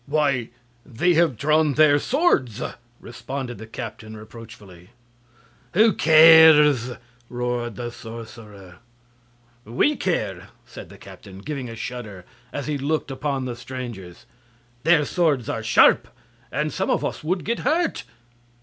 "Why, they have drawn their swords!" responded the captain, reproachfully. "Who cares?" roared the sorcerer. "We care," said the captain, giving a shudder, as he looked upon the strangers. "Their swords are sharp, and some of us would get hurt."